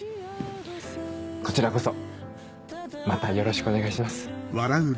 こちらこそまたよろしくお願いします。